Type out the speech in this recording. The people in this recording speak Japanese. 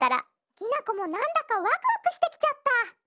きなこもなんだかわくわくしてきちゃった。